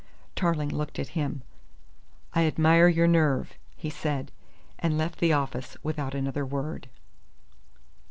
Tarling looked at him. "I admire your nerve," he said, and left the office without another word.